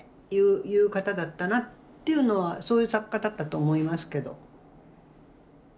言う方だったなっていうのはそういう作家だったと思いますけど。